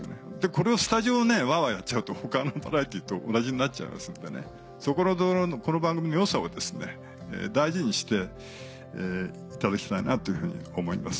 これをスタジオでワワやっちゃうと他のバラエティーと同じになっちゃいますのでそこのところこの番組の良さを大事にしていただきたいなというふうに思います。